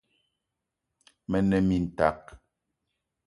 Me ne mintak